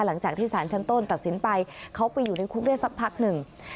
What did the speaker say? หลังจากที่สารชั้นต้นตัดสินไปเขาไปอยู่ในคุกได้สักพักหนึ่ง